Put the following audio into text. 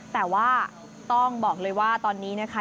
แต่ว่าต้องบอกเลยว่าตอนนี้นะคะ